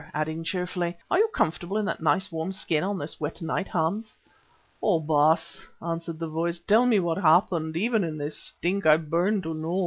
adding cheerfully, "Are you comfortable in that nice warm skin on this wet night, Hans?" "Oh! Baas," answered the voice, "tell me what happened. Even in this stink I burn to know."